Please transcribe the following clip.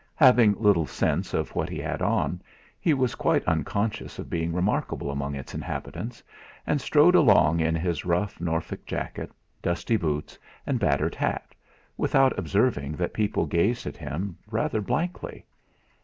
Having little sense of what he had on, he was quite unconscious of being remarkable among its inhabitants, and strode along in his rough Norfolk jacket, dusty boots, and battered hat, without observing that people gazed at him rather blankly.